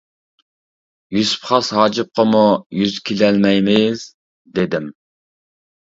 يۈسۈپ خاس ھاجىپقىمۇ يۈز كېلەلمەيمىز، -دېدىم.